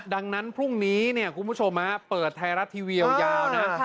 ดังนั้นพรุ่งนี้เนี่ยคุณผู้ชมเปิดไทยรัฐทีวียาวนะ